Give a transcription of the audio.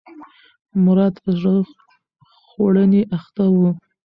مراد په زړه خوړنې اخته و.